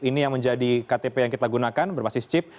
ini yang menjadi ktp yang kita gunakan berbasis chip